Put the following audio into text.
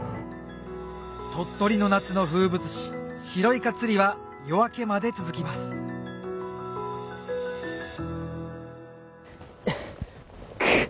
鳥取の夏の風物詩白イカ釣りは夜明けまで続きますハァくっ！